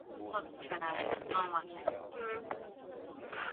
Katika bajeti ya nyongeza ambayo ilisainiwa na